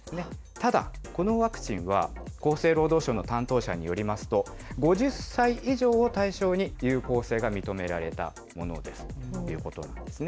ただ、このワクチンは厚生労働省の担当者によりますと、５０歳以上を対象に有効性が認められたものだということですね。